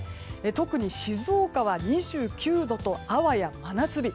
特に静岡は２９度とあわや真夏日。